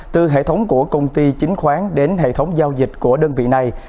từ hệ thống của công ty chính khoán đến hệ thống giao dịch của đơn vị này